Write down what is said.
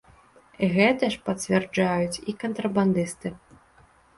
Гэта ж пацвярджаюць і кантрабандысты.